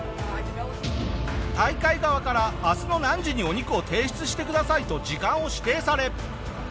大会側から「明日の何時にお肉を提出してください」と時間を指定され。